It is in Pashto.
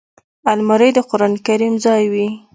الماري د قران کریم ځای وي